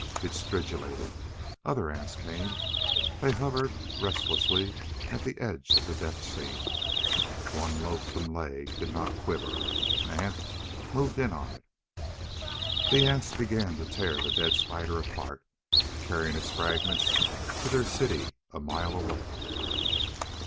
It stridulated. Other ants came. They hovered restlessly at the edge of the death scene. One loathesome leg did not quiver. An ant moved in on it. The ants began to tear the dead spider apart, carrying its fragments to their city a mile away.